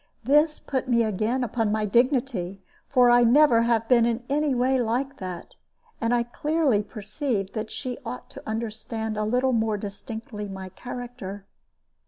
This put me again upon my dignity, for I never have been in any way like that, and I clearly perceived that she ought to understand a little more distinctly my character.